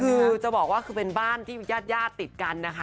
คือจะบอกว่าคือเป็นบ้านที่ญาติญาติติดกันนะคะ